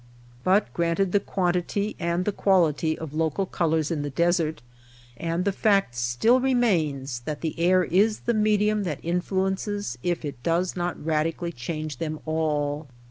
But granted the quantity and the quality of local colors in the desert, and the fact still re mains that the air is the medium that influ ences if it does not radically change them all.